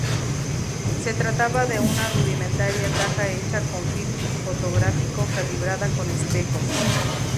Se trataba de una rudimentaria caja hecha con film fotográfico calibrada con espejos.